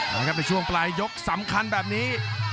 ในช่วงปลายยกสำคัญแบบนี้